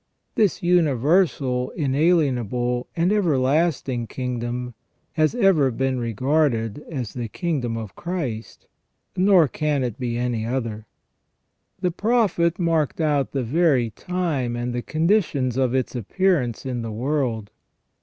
This universal, inalienable, and everlasting THE REGENERATION OF MAN. 365 kingdom has ever been regarded as the kingdom of Christ, nor can it be any other. The Prophet marked out the very time and the conditions of its appearance in the world.